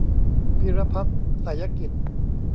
พีรพัฒน์ ไสยกิจ